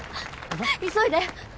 急いで！